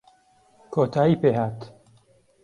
کۆتایی پێهات